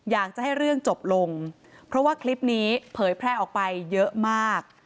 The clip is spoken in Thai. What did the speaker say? อยากจะให้เรื่องจบลงเพราะว่าคลิปนี้เผยแพร่ออกไปเยอะมาก